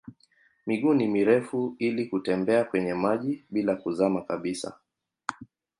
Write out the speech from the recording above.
Miguu ni mirefu ili kutembea kwenye maji bila kuzama kabisa.